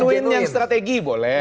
genuin yang strategi boleh